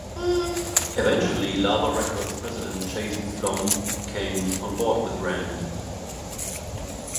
Eventually Lava Records President Jason Flom came on board with Rand.